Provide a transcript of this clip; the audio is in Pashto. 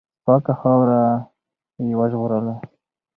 پاکه خاوره یې وژغورله.